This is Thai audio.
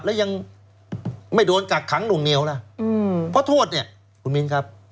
แล้วยังไม่โดนกักขังหน่วงเหนียวนะเพราะโทษเนี่ยคุณมินครับ